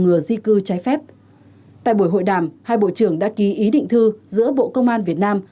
ngừa di cư trái phép tại buổi hội đàm hai bộ trưởng đã ký ý định thư giữa bộ công an việt nam